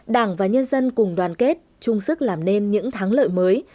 đảng và nhân dân cùng đoàn kết chung sức làm nên những thắng lợi mới